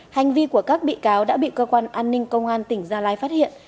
hành vi của các bị cáo đã bị cơ quan an ninh công an tỉnh gia lai phát hiện